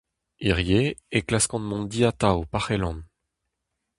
Hiriv e klaskan mont di atav pa c'hellan.